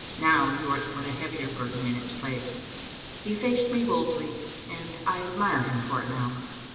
Now you are to put a heavier burden in its place." He faced me boldly, and I admire him for it now.